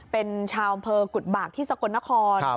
เป็นชาวอำเภอกุฎบากที่สกลนคร